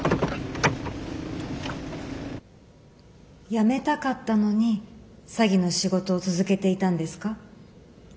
やめたかったのに詐欺の仕事を続けていたんですか？